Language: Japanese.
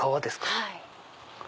はい。